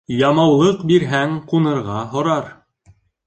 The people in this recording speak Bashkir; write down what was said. Ямаулыҡ бирһәң, ҡунырға һорар.